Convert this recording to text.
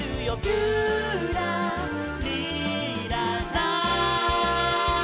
「ぴゅらりらら」